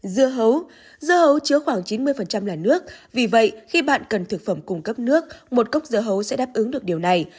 dưa hấu dưa hấu chứa khoảng chín mươi là nước vì vậy khi bạn cần thực phẩm cung cấp nước một cốc dưa hấu sẽ đáp ứng được điều này